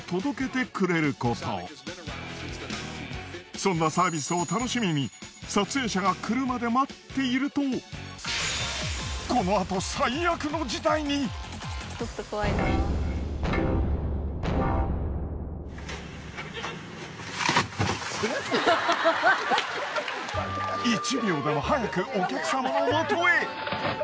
そんなサービスを楽しみに撮影者が車でこのあと１秒でも早くお客様の元へ。